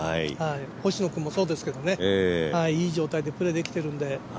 星野君もそうですけど、いい状態でプレーできているんで。